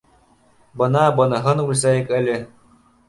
Бына быныһын үлсәйек әле.